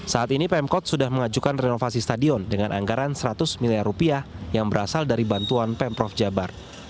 saat ini pemkot sudah mengajukan renovasi stadion dengan anggaran seratus miliar rupiah yang berasal dari bantuan pemprov jabar